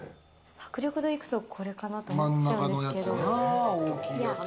迫力でいくと、これかなって思っちゃうんですけれどね。